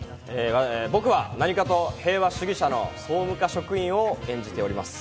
僕は何かと平和主義者の総務課職員を演じております。